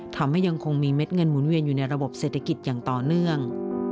ยังคงมีเม็ดเงินหมุนเวียนอยู่ในระบบเศรษฐกิจอย่างต่อเนื่อง